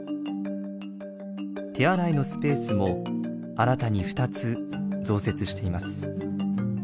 手洗いのスペースも新たに２つ増設しています。